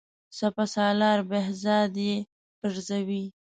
سپه سالار بهزاد یې پرزوي.